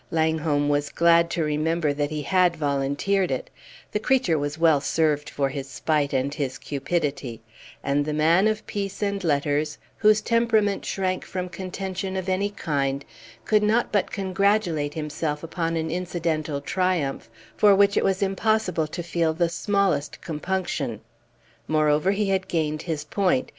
Langholm was glad to remember that he had volunteered it; the creature was well served for his spite and his cupidity; and the man of peace and letters, whose temperament shrank from contention of any kind, could not but congratulate himself upon an incidental triumph for which it was impossible to feel the smallest compunction. Moreover, he had gained his point.